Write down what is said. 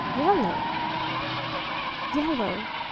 Yellow? Yellow?